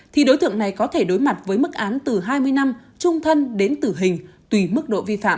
thì đối tượng này có thể đối mặt với mức án từ hai mươi năm trung thân đến tử hình tùy mức độ vi phạm